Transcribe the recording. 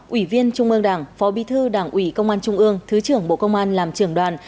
ủy viên trung ương đảng phó bí thư đảng ủy công an trung ương thứ trưởng bộ công an làm trưởng đoàn